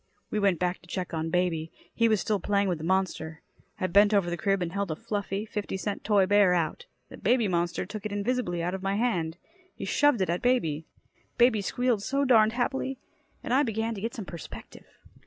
We went back to check on baby. He was still playing with the monster. I bent over the crib and held a fluffy, fifty cent toy bear out. The baby monster took it invisibly out of my hand. He shoved it at baby. Baby squealed so darned happily. And I began to get some perspective.